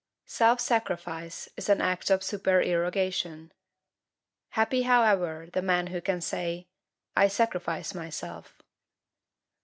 Self sacrifice is an act of supererogation. Happy, however, the man who can say, "I sacrifice myself."